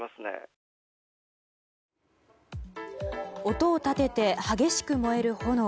音を立てて激しく燃える炎。